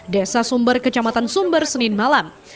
desa sumber kecamatan sumber senin malam